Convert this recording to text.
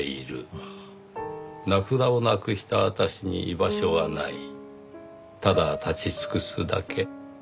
「名札をなくしたあたしに居場所はない」「ただ立ち尽くすだけ」